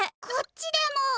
こっちでも。